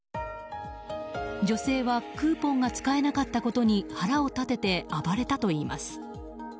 女性はクーポンが使えなかったことに腹を立てて暴れたといいます。